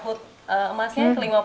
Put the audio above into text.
hood emasnya ke lima puluh